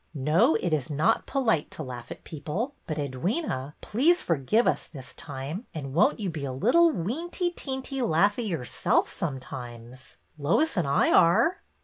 No, it is not polite to laugh at people. But, Edwyna, please forgive us this time, and won't you be a little weenty teenty laughy yourself, sometimes ? Lois and I are."